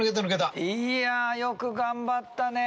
いやよく頑張ったね。